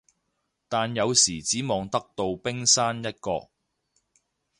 但有時只望得到冰山一角